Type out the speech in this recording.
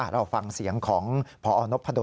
เราฟังเสียงของพอพดลกันนะครับ